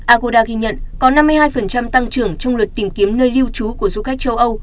agoda ghi nhận có năm mươi hai tăng trưởng trong lượt tìm kiếm nơi lưu trú của du khách châu âu